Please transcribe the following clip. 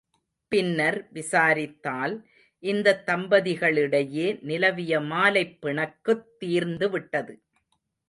பின்னர் விசாரித்தால், இந்தத் தம்பதிகளிடையே நிலவிய மாலைப் பிணக்குத் தீர்ந்து விட்டது.